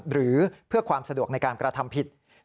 หรือเพื่อความสะดวกในการกระทำผิด